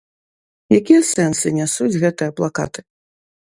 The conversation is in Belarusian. Якія сэнсы нясуць гэтыя плакаты?